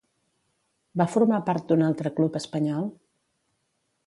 Va formar part d'un altre club espanyol?